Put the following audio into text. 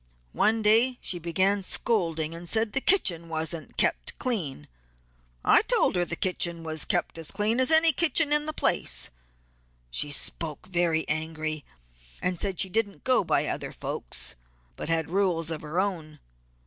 One day she began scolding and said the kitchen wasn't kept clean. I told her the kitchen was kept as clean as any kitchen in the place; she spoke very angry, and said she didn't go by other folks but she had rules of her own.